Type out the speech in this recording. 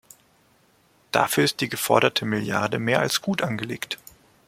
Dafür ist die geforderte Milliarde mehr als gut angelegt.